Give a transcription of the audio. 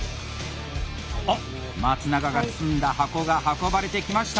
あっ松永が包んだ箱が運ばれてきました！